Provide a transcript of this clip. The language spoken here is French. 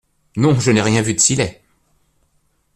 Non, je n’ai rien vu de si laid !